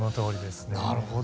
なるほど。